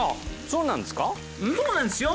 そうなんですよ。